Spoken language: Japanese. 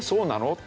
って